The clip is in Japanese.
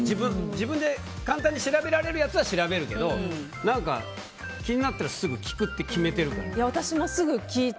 自分で簡単に調べられるやつは調べるけど気になったらすぐ聞くって私もすぐ聞いて。